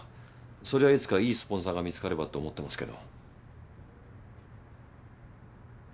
そりゃいつかいいスポンサーが見つかればって思ってますけど。